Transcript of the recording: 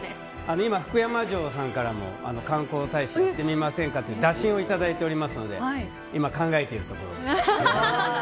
今、福山城さんからも観光大使やってみませんかとの打診をいただいていますので今考えているところです。